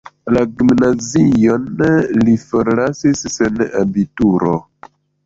La gimnazion li forlasis sen abituro.